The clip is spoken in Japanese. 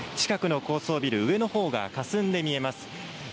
近くの高層ビル、上のほうがかすんで見えます。